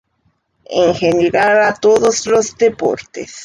en general a todos los deportes